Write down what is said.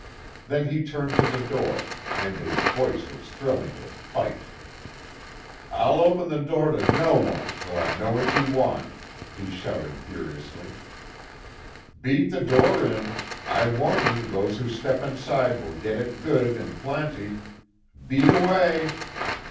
Then he turned to the door, and his voice was thrilling with "fight." "I'll open the door to no one till I know what you want!" he shouted furiously. "Beat the door in! I warn you those who step inside will get it good and plenty! Beat away!"